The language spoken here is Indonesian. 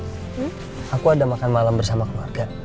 hmm aku ada makan malam bersama keluarga